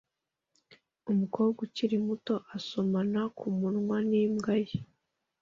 Umukobwa ukiri muto asomana kumunwa n'imbwa ye